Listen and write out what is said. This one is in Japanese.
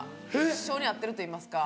性に合ってるといいますか。